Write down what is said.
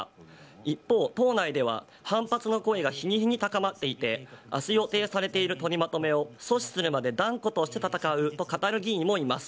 一方、党内では反発の声が日に日に高まっていて明日予定されている取りまとめを阻止するまで断固して戦う議員もいます。